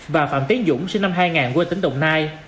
và phạm tiến dũng sinh năm hai nghìn huyện tỉnh đồng nai